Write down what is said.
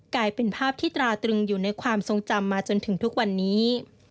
กลายเป็นภาพที่ตราตรึงอยู่ในความทรงจำมาจนถึงทุกวันนี้